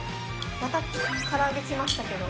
泙唐揚げ来ましたけど。